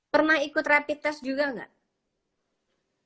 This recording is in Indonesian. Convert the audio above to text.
pernah ikut rapid test juga nggak